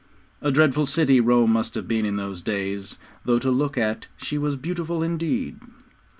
A dreadful city Rome must have been in those days, though to look at she was beautiful indeed.